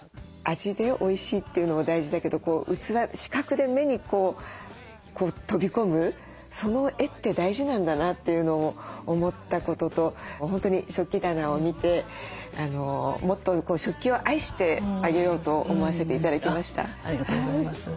味でおいしいというのも大事だけど器視覚で目にこう飛び込むその絵って大事なんだなというのを思ったことと本当に食器棚を見てもっと食器を愛してあげようと思わせて頂きました。